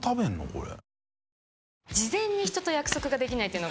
これ。